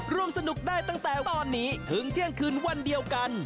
ร่วมสนุกได้ตั้งแต่ตอนนี้ถึงเที่ยงคืนวันเดียวกัน